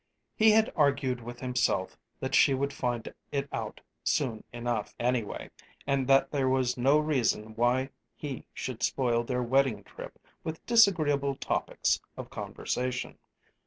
He had argued with himself that she would find it out soon enough, anyway, and that there was no reason why he should spoil their wedding trip with disagreeable topics of conversation.